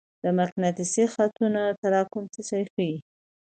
د مقناطیسي خطونو تراکم څه شی ښيي؟